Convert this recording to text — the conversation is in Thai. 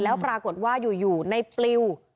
แล้วปรากฏว่าอยู่ในปลิว